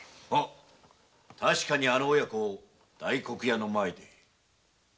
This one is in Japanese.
確かにあの親子を大黒屋の前で。